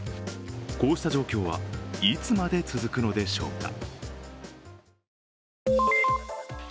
こうした状況はいつまで続くのでしょうか。